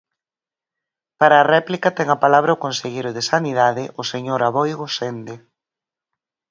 Para a réplica ten a palabra o conselleiro de Sanidade, o señor Aboi Gosende.